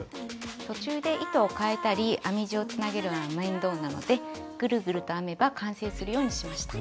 途中で糸をかえたり編み地をつなげるのは面倒なのでグルグルと編めば完成するようにしました。